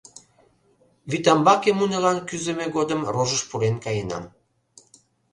— Вӱтамбаке мунылан кӱзымӧ годым рожыш пурен каенам.